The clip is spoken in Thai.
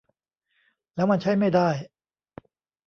แล้วมันใช้ไม่ได้